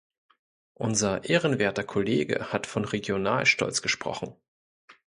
Unser ehrenwerter Kollege hat von Regionalstolz gesprochen.